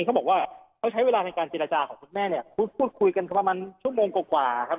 เขาบอกว่าเขาใช้เวลาในการเจรจาของคุณแม่เนี่ยพูดคุยกันประมาณชั่วโมงกว่าครับ